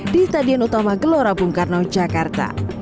di stadion utama gelora bung karno jakarta